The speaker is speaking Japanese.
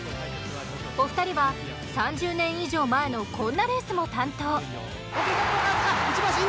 お二人は３０年以上前のこんなレースも担当。